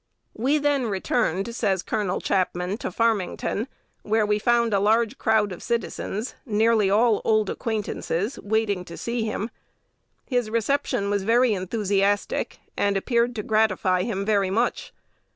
"We then returned," says Col. Chapman, "to Farmington, where we found a large crowd of citizens nearly all old acquaintances waiting to see him. His reception was very enthusiastic, and appeared to gratify him very much.